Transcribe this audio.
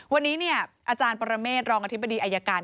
วันนี้อาจารย์ปรเมฆรองอธิบดีอายการ